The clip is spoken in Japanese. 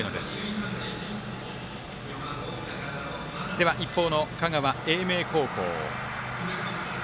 では、一方の香川、英明高校。